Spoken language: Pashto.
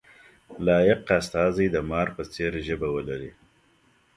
لایق استازی د مار په څېر ژبه ولري.